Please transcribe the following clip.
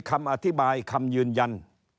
คำอธิบายคำยืนยัน